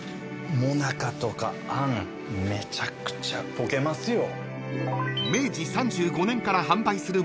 もなかとかあんめちゃくちゃとけますよ。